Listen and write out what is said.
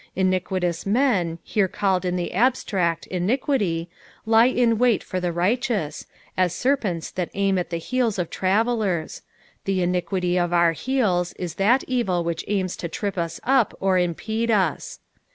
Iniquitous men, here called in the abstract iraqvity, lie in wait for the righteous, as serpents that aim at the heels of travellers : the iniquity of our heels is that evil which aims to trip us up or impede us.